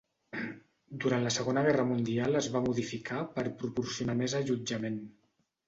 Durant la Segona Guerra Mundial es va modificar per proporcionar més allotjament.